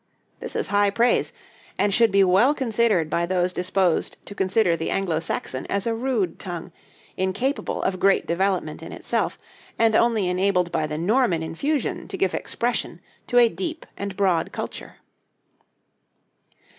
This is high praise, and should be well considered by those disposed to consider the Anglo Saxon as a rude tongue, incapable of great development in itself, and only enabled by the Norman infusion to give expression to a deep and broad culture.